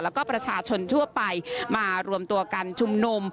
แล้วก็ประชาชนทั่วไปมารวมตัวกันชุมนุม